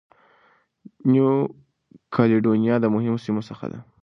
نیو کالېډونیا د مهمو سیمو څخه ده.